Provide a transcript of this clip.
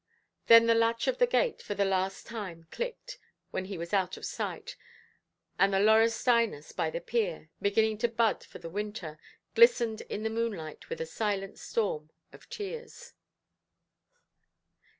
Then the latch of the gate for the last time clicked, when he was out of sight, and the laurustinus by the pier, beginning to bud for the winter, glistened in the moonlight with a silent storm of tears.